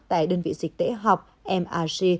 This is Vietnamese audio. tại đơn vị dịch tễ học mrg